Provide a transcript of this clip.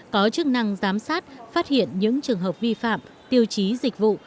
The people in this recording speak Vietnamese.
có chức năng giám sát phát hiện những trường hợp vi phạm tiêu chí dịch vụ